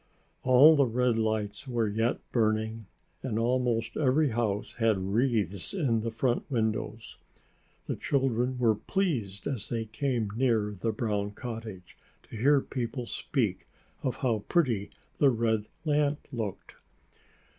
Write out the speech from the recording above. All the red lights were yet burning and almost every house had wreaths in the front windows. The children were pleased as they came near the brown cottage to hear people speak of how pretty the red lamp looked.